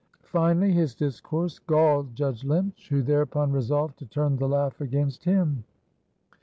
Finally his discourse galled Judge Lynch, who thereupon resolved to turn the laugh against him.